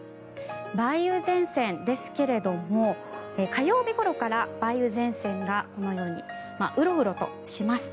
梅雨前線ですけれども火曜日ごろから梅雨前線がこのようにウロウロとします。